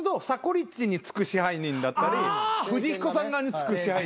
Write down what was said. リッチにつく支配人だったり富士彦さん側につく支配人。